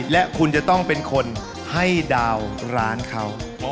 และคุณจะต้องเป็นคนให้ดาวร้านเขา